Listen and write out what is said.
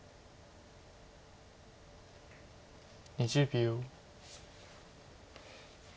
２０秒。